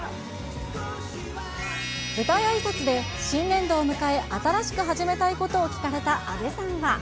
舞台あいさつで新年度を迎え、新しく始めたいことを聞かれた阿部さんは。